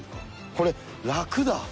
これ、楽だ。